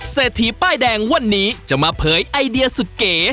เศรษฐีป้ายแดงวันนี้จะมาเพยรสุเก